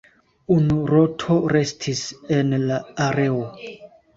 Unu roto restis en la areo.